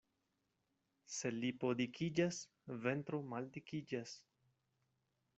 Se lipo dikiĝas, ventro maldikiĝas.